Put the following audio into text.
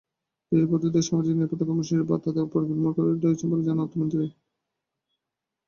Digital পদ্ধতিতে সামাজিক নিরাপত্তা কর্মসূচির ভাতা দেওয়ার পরিকল্পনাও রয়েছে বলে জানান অর্থমন্ত্রী।